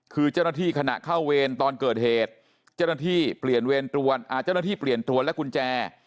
คือเจ้าหน้าที่ขณะเข้าเวรตอนเกิดเหตุเจ้าหน้าที่เปลี่ยนเวรตัวนและกุญแจ